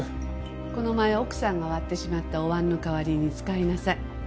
この前奥さんが割ってしまったお碗の代わりに使いなさい。